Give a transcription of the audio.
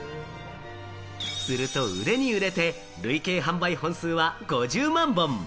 すると売れに売れて、累計販売本数は５０万本。